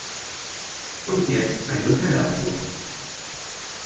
Und jetzt ein Nutellabrot!